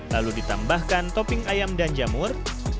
lalu ditambahkan topping ayam dan jamur